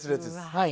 はい。